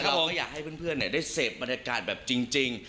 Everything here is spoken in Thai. ก็มองว่าอยากให้เพื่อนได้เสพบรรยากาศแบบจริง